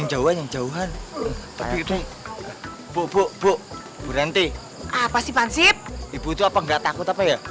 jauh jauhan tapi itu buk buk buk berhenti apa sih fansip ibu itu apa nggak takut apa ya